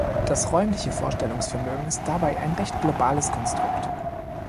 Das räumliche Vorstellungsvermögen ist dabei ein recht globales Konstrukt.